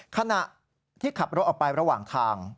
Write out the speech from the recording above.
ขณะที่ขับรถออกไประหว่างทาง